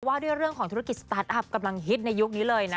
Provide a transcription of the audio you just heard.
ว่าด้วยเรื่องของธุรกิจสตาร์ทอัพกำลังฮิตในยุคนี้เลยนะ